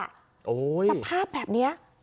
สภาพแบบนี้